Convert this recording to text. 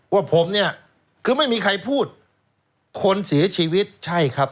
ว่าผมเนี่ยคือไม่มีใครพูดคนเสียชีวิตใช่ครับ